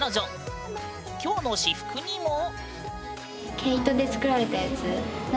今日の私服にも。